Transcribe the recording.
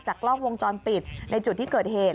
กล้องวงจรปิดในจุดที่เกิดเหตุ